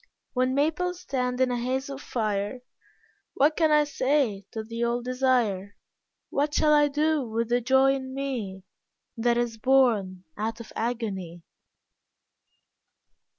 When maples stand in a haze of fire What can I say to the old desire, What shall I do with the joy in me That is born out of agony?